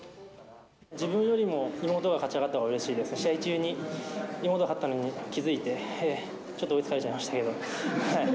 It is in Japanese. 自分よりも妹が勝ち上がったことがうれしいですし、試合中に妹が勝ったのに気付いて、ちょっと追いつかれちゃいましたけど。